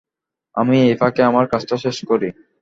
আমি এই ফাঁকে আমার কাজটা শেষ করি।